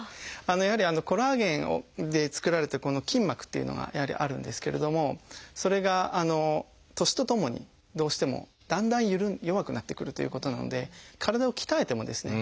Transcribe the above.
やはりコラーゲンで作られた筋膜っていうのがあるんですけれどもそれが年とともにどうしてもだんだん弱くなってくるということなので体を鍛えてもですね